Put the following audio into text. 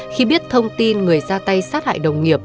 khi biết thông tin người ra tay sát hại đồng nghiệp